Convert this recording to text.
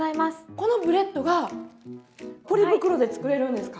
このブレッドがポリ袋で作れるんですか？